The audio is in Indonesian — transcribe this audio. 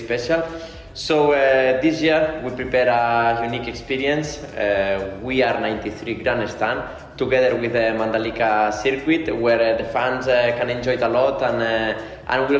fans akan menikmati dan akan memiliki pengalaman yang spesial dengan grandstand yang sangat bagus dengan dj musik backstage pengalaman vip